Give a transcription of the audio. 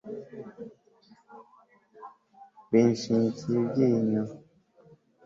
binshinyikiye ibyinyo